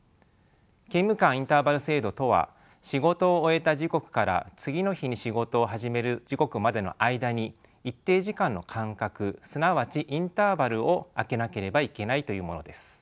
勤務間インターバル制度とは仕事を終えた時刻から次の日に仕事を始める時刻までの間に一定時間の間隔すなわちインターバルを空けなければいけないというものです。